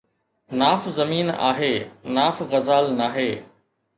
ناف زمين آهي، ناف غزال ناهي